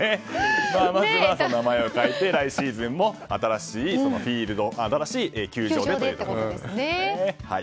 まず名前を変えて来シーズンも新しい球場でということですね。